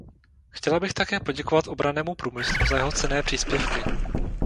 Chtěla bych také poděkovat obrannému průmyslu za jeho cenné příspěvky.